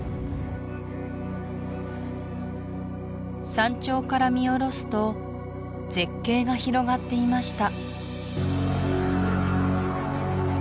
山頂から見下ろすと絶景が広がっていました